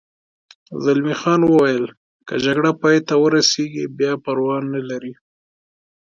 زلمی خان وویل: که جګړه پای ته ورسېږي بیا پروا نه لري.